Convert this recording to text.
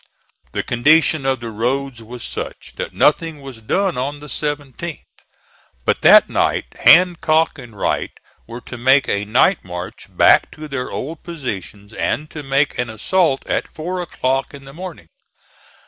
The condition of the roads was such that nothing was done on the 17th. But that night Hancock and Wright were to make a night march back to their old positions, and to make an assault at four o'clock in the morning.